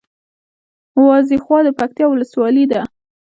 وازېخواه د پکتیکا ولسوالي ده